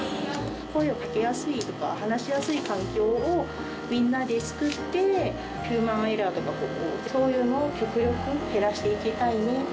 声かけやすいとか、話しやすい環境をみんなで作って、ヒューマンエラーとか、そういうのを極力減らしていきたいね。